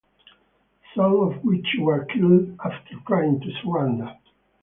Some of which were killed after trying to surrender.